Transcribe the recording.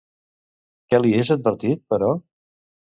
Què li és advertit, però?